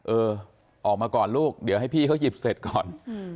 เออออกมาก่อนลูกเดี๋ยวให้พี่เขาหยิบเสร็จก่อน